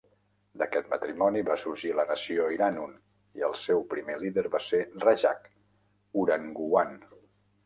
D'aquest matrimoni va sorgir la nació Iranun, i el seu primer líder va ser Rajah Urangguwan.